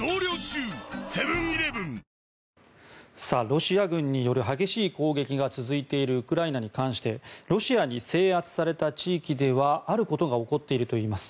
ロシア軍による激しい攻撃が続いているウクライナに関してロシアに制圧された地域ではあることが起こっているといいます。